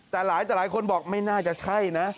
แต่หลายต่อหลายคนบอกไม่น่าจะใช่นะ